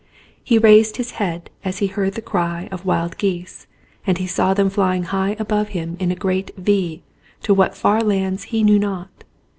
He raised his head as he heard the cry of wild geese and he saw them flying high above him in a great V to what far lands he knew not.